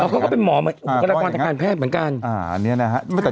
เขาก็เป็นหมอเหมือนบุคลากรทางการแพทย์เหมือนกัน